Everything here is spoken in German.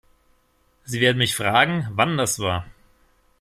Sie werden mich fragen, wann das war.